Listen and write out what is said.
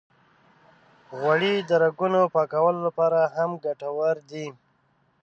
غوړې د رګونو د پاکولو لپاره هم ګټورې دي.